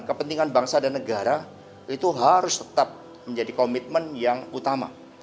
kepentingan bangsa dan negara itu harus tetap menjadi komitmen yang utama